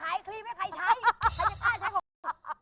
ครีมให้ใครใช้ใครจะกล้าใช้ของเรา